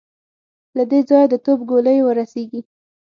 له دې ځايه د توپ ګولۍ ور رسېږي.